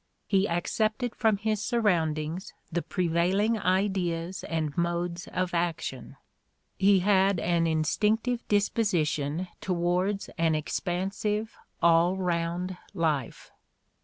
He accepted from his surroundings the prevailing ideas and modes of action"; he had "an instinctive disposition towards an expansive, all round life."